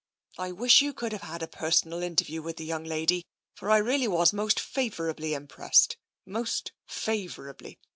I wish you could 20 TENSION have had a personal interview with the young lady, for I really was most favourably impressed — most favourably.